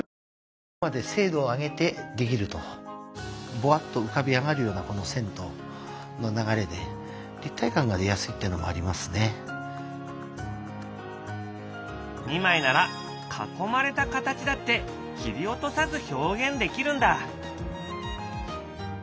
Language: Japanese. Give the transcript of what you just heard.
ぼわっと浮かび上がるようなこの線の流れで２枚なら囲まれた形だって切りおとさず表現できるんだ。